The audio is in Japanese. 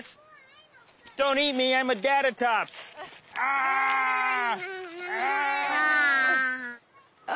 ああ。